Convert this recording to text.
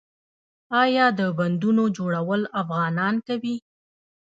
آیا د بندونو جوړول افغانان کوي؟